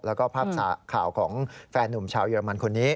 แล้วก็ภาพข่าวของแฟนนุ่มชาวเยอรมันคนนี้